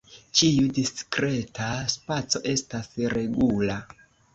Ĉiu diskreta spaco estas regula.